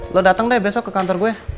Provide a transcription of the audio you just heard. lo datang deh besok ke kantor gue